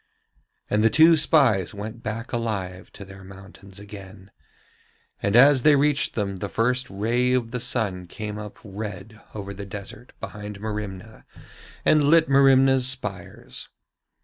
And the two spies went back alive to their mountains again, and as they reached them the first ray of the sun came up red over the desert behind Merimna and lit Merimna's spires.